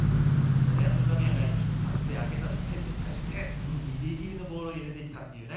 レアンドロ・ダミアンが引っ張って空けたスペースに対してギリギリのボールを入れていったというね。